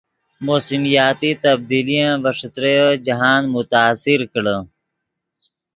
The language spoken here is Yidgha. موسمیاتی تبدیلین ڤے ݯتریو جاہند متاثر کڑے